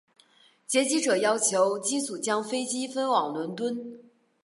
劫机者要求机组将飞机飞往伦敦。